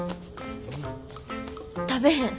食べへん。